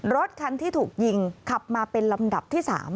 รถคันที่ถูกยิงขับมาเป็นลำดับที่๓